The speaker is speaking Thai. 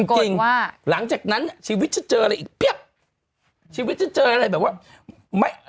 จริงว่าหลังจากนั้นชีวิตฉันเจออะไรอีกเพียบชีวิตฉันเจออะไรแบบว่าไม่